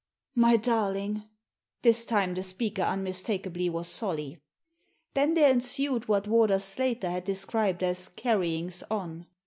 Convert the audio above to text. " My darling I " This time the speaker unmistak ably was Solly. i Then there ensued what Warder Slater had de scribed as "carryings on."